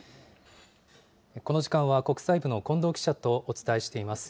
この時間は国際部の近藤記者とお伝えしています。